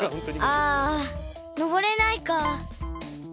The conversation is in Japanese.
あのぼれないか。